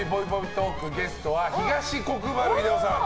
トークゲストは東国原英夫さん。